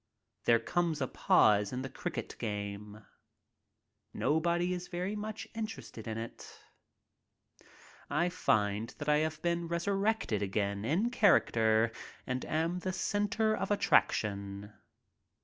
There comes a pause in the cricket game. Nobody is very much interested in it. ' I find that I have been resurrected again in character and am the center of attraction.